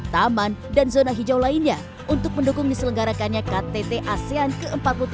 taman dan zona hijau lainnya untuk mendukung diselenggarakannya ktt asean ke empat puluh tiga dua ribu dua puluh tiga